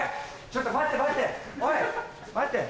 ちょっと待て待て！